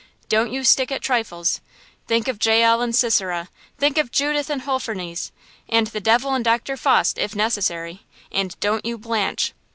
Don't you stick at trifles! Think of Jael and Sisera! Think of Judith and Holofernes! And the devil and Doctor Faust, if necessary, and don't you blanch!